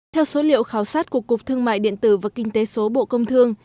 theo số liệu khảo sát của cục thương mại điện tử và kinh tế số bộ công thương